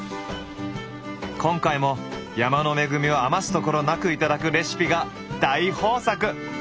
今回も山の恵みを余すところなく頂くレシピが大豊作！